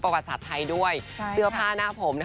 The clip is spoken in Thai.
ประวัติศาสตร์ไทยด้วยเสื้อผ้าหน้าผม